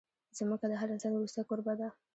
ځمکه د هر انسان وروستۍ کوربه ده.